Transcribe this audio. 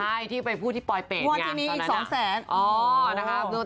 ใช่ที่ไปพูดที่ปลอยเป็ดงวดที่นี้อีก๒แสน